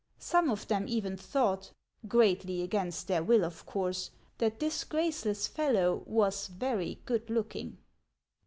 Some of them even thought — greatly against their will, of course — that this graceless fellow was very good looking.